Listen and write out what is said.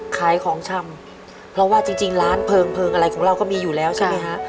ขายของชำเพราะว่าจริงร้านเพลิงเพลิงอะไรของเราก็มีอยู่แล้วใช่ไหมฮะ